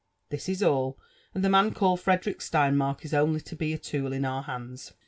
This is all ; and the man called Frederick Steinmark is only to be a tool in our hands.'